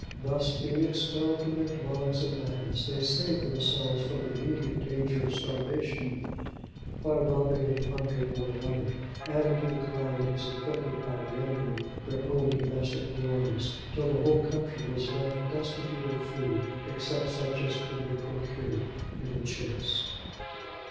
Thus, being expelled from their dwellings and lands, they saved themselves from the immediate danger of starvation by robbing and plundering one another, adding to the calamities inflicted by the enemy their own domestic broils, till the whole country was left destitute of food except such as could be procured in the chase.